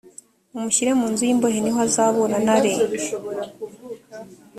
mu mushyire mu nzu y’ imbohe niho azaburana ari